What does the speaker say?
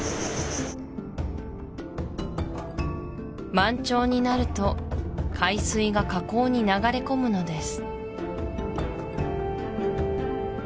満潮になると海水が河口に流れ込むのです